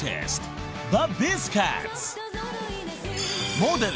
［モデル。